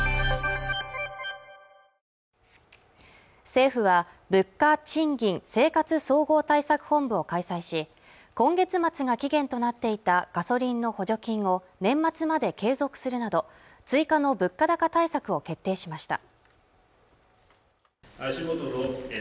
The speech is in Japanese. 政府は物価・賃金・生活総合対策本部を開催し今月末が期限となっていたガソリンの補助金を年末まで継続するなど追加の物価高対策を決定しました